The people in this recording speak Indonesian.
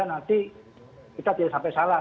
nanti kita tidak sampai salah